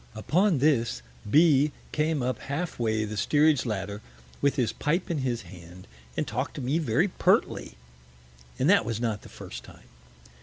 Upon this B s came up half way the Steerage Ladder, with his Pipe in his Hand, and talk'd to me very pertly; and that was not the first time.